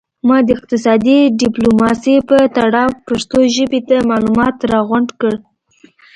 ما د اقتصادي ډیپلوماسي په تړاو پښتو ژبې ته معلومات را غونډ کړل